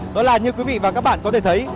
đó là như quý vị và các bạn có thể thấy